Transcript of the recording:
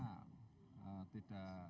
saya jelaskan ini saya tanya apakah betul